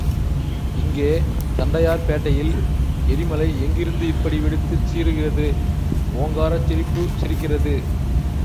இங்கே தண்டையார் பேட்டையில் எரிமலை எங்கிருந்து இப்படி வெடித்துச் சீறுகிறது ஓங்காரச் சிரிப்புச் சிரிக்கிறது..?